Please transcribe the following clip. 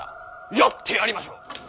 やってやりましょう！